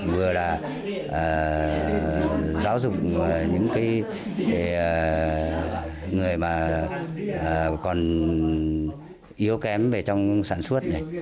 vừa là giáo dục những người mà còn yếu kém về trong sản xuất này